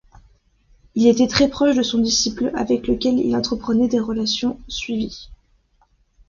Il était très proche de son disciple, avec lequel il entretenait des relations suivies.